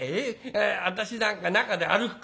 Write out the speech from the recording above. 私なんか中で歩くから」。